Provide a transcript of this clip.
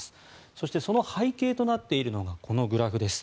そしてその背景となっているのがこのグラフです。